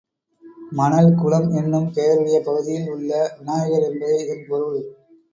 மணல் குளம் என்னும் பெயருடைய பகுதியில் உள்ள விநாயகர் என்பதே இதன் பொருள்.